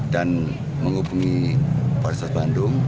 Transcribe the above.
dan menghubungi polsek bandung